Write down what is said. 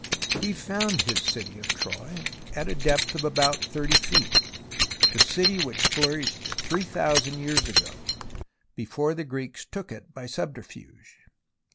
He found his city of Troy at a depth of about 30 feet, the city which flourished three thousand years ago before the Greeks took it by subterfuge.